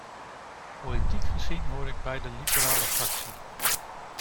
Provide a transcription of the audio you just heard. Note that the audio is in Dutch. Politiek gezien hoor ik bij de liberale fractie.